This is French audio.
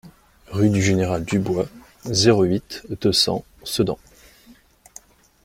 Rue du Général Dubois, zéro huit, deux cents Sedan